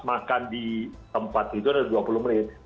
makan di tempat itu adalah dua puluh menit